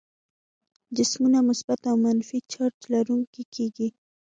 جسمونه مثبت او منفي چارج لرونکي کیږي.